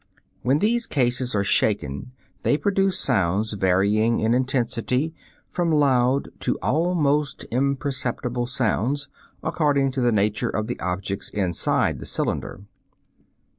(Fig. 26.) When these cases are shaken they produce sounds varying in intensity from loud to almost imperceptible sounds, according to the nature of the objects inside the cylinder.